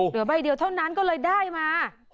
เหลือใบเดียวเท่านั้นก็เลยได้มา